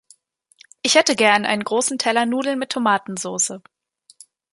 Ich hätte gern einen großen Teller Nudeln mit Tomatensoße.